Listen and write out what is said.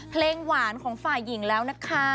เพลงหวานของฝ่ายหญิงแล้วนะคะ